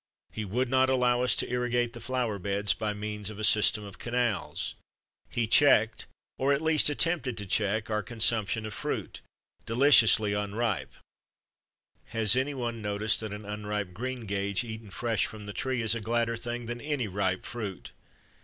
He would not allow us to irrigate the flower beds by means of a system of canals ; he checked, or at least 124 THE DAY BEFORE YESTERDAY attempted to check, our consumption of fruit, deliciously unripe (has any one noticed that an unripe greengage eaten fresh from the tree is a gladder thing than any ripe fruit